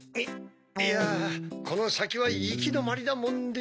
いやこのさきはいきどまりだもんで。